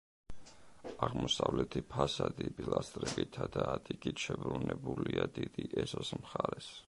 აღმოსავლეთი ფასადი პილასტრებითა და ატიკით შებრუნებულია დიდი ეზოს მხარეს.